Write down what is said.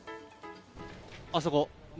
あそこ、前。